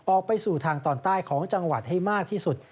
ออกไปสู่ทางตอนใต้ของจังหวัดให้มากที่สุด